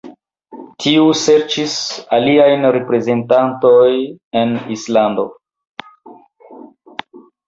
Tiu serĉis aliajn reprezentantojn en Islando.